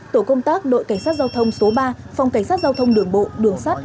tổ công tác đội cảnh sát giao thông số ba phòng cảnh sát giao thông đường bộ đường sắt